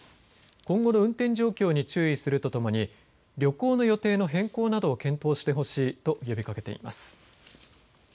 今後の運転状況に注意するとともに旅行の予定の変更などを検討してほしいと呼びかけています。